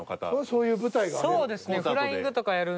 そういう舞台がある。